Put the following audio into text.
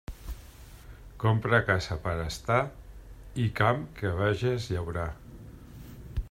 Compra casa per a estar i camp que veges llaurar.